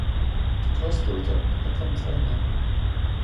Det kostede dem at komme fra hinanden.